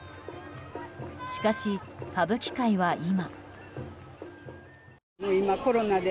しかし、歌舞伎界は今。